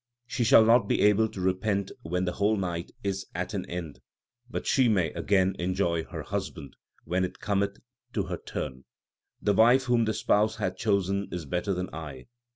She shall not be able to repent when the whole night is at an end ; But she may again enjoy her Husband when it cometh to her turn. 1 The wife whom the Spouse hath chosen is better than I.